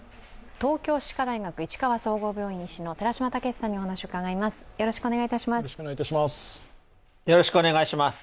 東京歯科大学市川総合病院医師の寺嶋毅さんにお話を伺います。